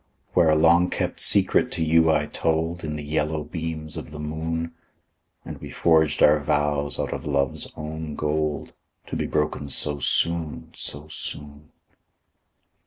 Where a long kept secret to you I told, In the yellow beams of the moon, And we forged our vows out of love's own gold, To be broken so soon, so soon!